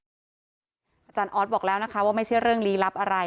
อาจารย์ออสบอกแล้วนะคะว่าไม่ใช่เรื่องลี้ลับอะไร